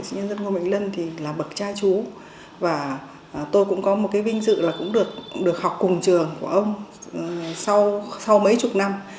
nhân dân ngô mạnh lân thì là bậc cha chú và tôi cũng có một cái vinh dự là cũng được học cùng trường của ông sau mấy chục năm